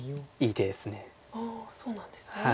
ああそうなんですね。